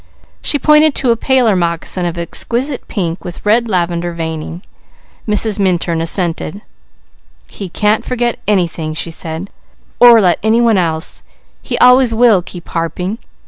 She pointed to a paler moccasin of exquisite pink with red lavender veining. Mrs. Minturn assented. "He can't forget anything," she said, "or let any one else. He always will keep harping."